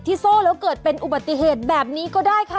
ที่โตรเป็นอุบัติเหตุแบบนี้ก็ได้ค่ะ